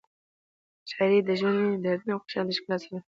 شاعري د ژوند، مینې، درد او خوشحالیو د ښکلا څرګندولو وسیله ده.